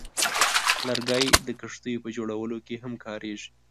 لرګی د کښتیو په جوړولو کې هم کارېږي.